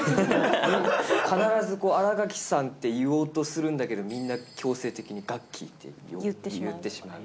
必ず新垣さんって言おうとするんだけど、みんな強制的にガッキーって言ってしまう。